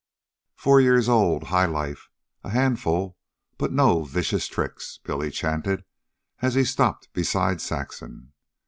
"Four year old, high life, a handful, but no vicious tricks," Billy chanted, as he stopped beside Saxon.